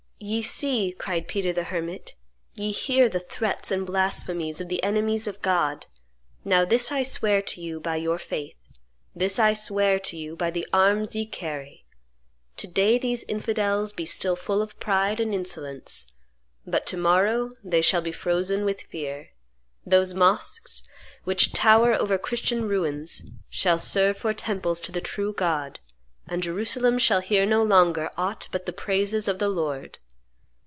"Ye see," cried Peter the Hermit; "ye hear the threats and blasphemies of the enemies of God. Now this I swear to you by your faith; this I swear to you by the arms ye carry: to day these infidels be still full of pride and insolence, but to morrow they shall be frozen with fear; those mosques, which tower over Christian ruins, shall serve for temples to the true God, and Jerusalem shall hear no longer aught but the praises of the Lord."